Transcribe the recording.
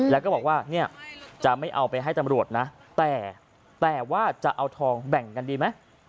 แล้วก็บอกว่าเนี่ยจะไม่เอาไปให้ตำรวจนะแต่ว่าจะเอาทองแบ่งกันดีไหม